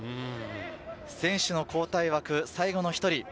選手の交代枠、最後の１人。